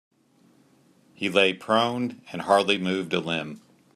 He lay prone and hardly moved a limb.